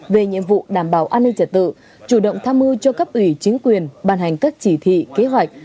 về nhiệm vụ đảm bảo an ninh trật tự chủ động tham mưu cho cấp ủy chính quyền ban hành các chỉ thị kế hoạch